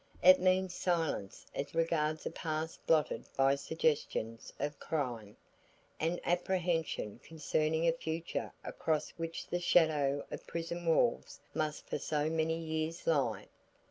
It means silence as regards a past blotted by suggestions of crime; and apprehension concerning a future across which the shadow of prison walls must for so many years lie.